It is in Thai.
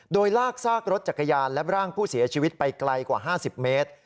โดยลากซากรถจักรยานและร่างผู้เสียชีวิตไปไกลกว่า๕๐เมตร